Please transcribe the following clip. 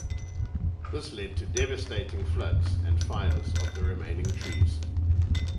This led to devastating floods and fires of the remaining trees.